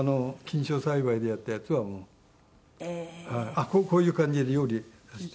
あっこういう感じで料理して。